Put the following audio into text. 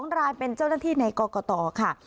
๒รายเป็นเจ้าหน้าที่ในกรกตค่ะ